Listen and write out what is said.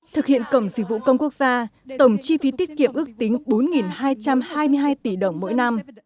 thực hiện cổng dịch vụ công quốc gia tổng chi phí tiết kiệm ước tính bốn hai trăm hai mươi hai tỷ đồng mỗi năm